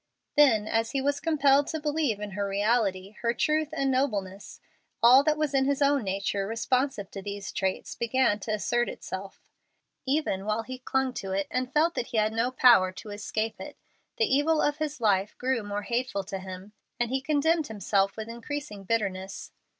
Then as he was compelled to believe in her reality, her truth and nobleness, all that was in his own nature responsive to these traits began to assert itself. Even while he clung to it and felt that he had no power to escape it, the evil of his life grew more hateful to him, and he condemned himself with increasing bitterness.